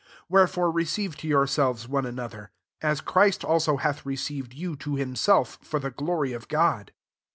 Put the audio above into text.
7 Wherefore receive to yourselves one another; as Christ also hath received you to himself for the glory of God.